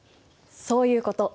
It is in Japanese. そういうこと！